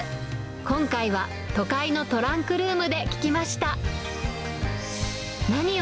今回は都会のトランクルームで聞きました。